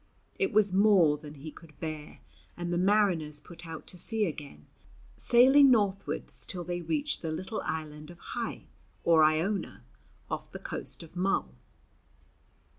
It was more than he could bear, and the mariners put out to sea again, sailing northwards till they reached the little island of Hy or Iona, off the coast of Mull.